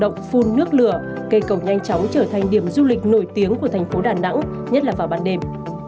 động phun nước lửa cây cầu nhanh chóng trở thành điểm du lịch nổi tiếng của thành phố đà nẵng nhất là vào ban đêm